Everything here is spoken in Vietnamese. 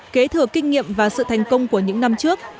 kế thừa kinh nghiệm và sự thành công của những năm trước